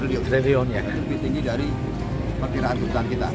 itu lebih tinggi dari perkiraan kebutuhan kita